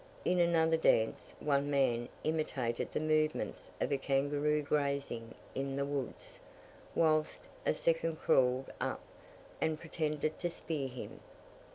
In another dance, one man imitated the movements of a kangaroo grazing in the woods, whilst a second crawled up, and pretended to spear him.